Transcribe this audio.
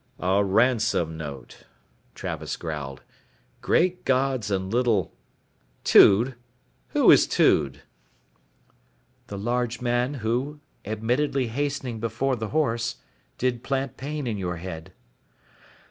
"A ransom note," Travis growled. "Great Gods and Little Tude? Who is Tude?" "The large man who, admittedly hastening before the horse, did plant pain in your head."